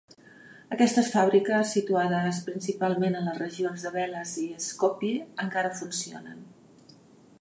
Aquestes fàbriques, situades principalment a les regions de Veles i Skopje, encara funcionen.